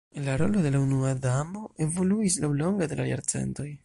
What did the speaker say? La rolo de la Unua Damo evoluis laŭlonge de la jarcentoj.